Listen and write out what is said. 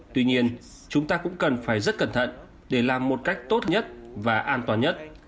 tuy nhiên chúng ta cũng cần phải rất cẩn thận để làm một cách tốt nhất và an toàn nhất